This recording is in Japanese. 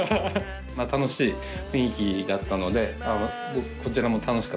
楽しい雰囲気だったのでこちらも楽しかったです。